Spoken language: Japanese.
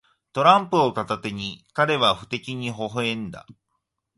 トランプを片手に、彼は不敵にほほ笑んだ。